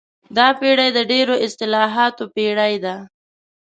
دا پېړۍ د ډېرو اصطلاحاتو پېړۍ ده.